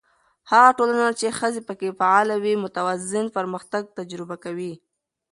هغه ټولنه چې ښځې پکې فعاله وي، متوازن پرمختګ تجربه کوي.